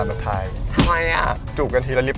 โหนับไม่ช่วงครับ